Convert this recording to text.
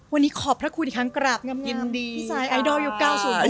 วันนี้ขอบพระคุณอีกครั้งกลับง่ำพี่ซายไอดอลยก้าวสุด